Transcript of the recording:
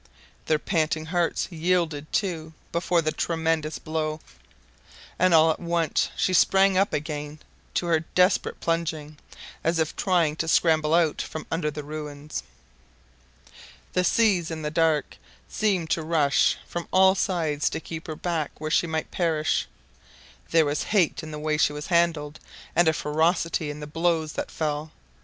Their panting hearts yielded, too, before the tremendous blow; and all at once she sprang up again to her desperate plunging, as if trying to scramble out from under the ruins. The seas in the dark seemed to rush from all sides to keep her back where she might perish. There was hate in the way she was handled, and a ferocity in the blows that fell.